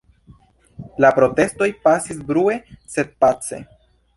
La protestoj pasis brue, sed pace.